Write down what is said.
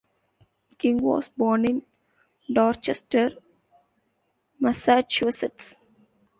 King was born in Dorchester, Massachusetts.